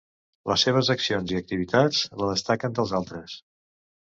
Les seves accions i activitats la destaquen dels altres.